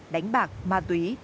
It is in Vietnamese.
đánh bạc ma túy